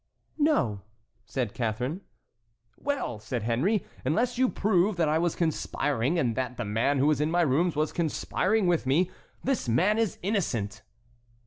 "No," said Catharine. "Well!" said Henry, "unless you prove that I was conspiring and that the man who was in my rooms was conspiring with me, this man is innocent."